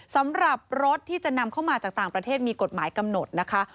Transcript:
สำหรับรถที่จะนำเข้ามาจากต่างประเทศมีกฎหมายกำหนดนะคะ